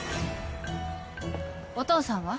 お父さんは？